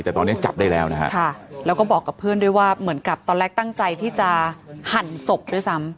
แต่ตอนนี้จับได้แล้วนะฮะค่ะแล้วก็บอกกับเพื่อนด้วยว่าเหมือนกับตอนแรกตั้งใจที่จะหั่นศพด้วยซ้ำ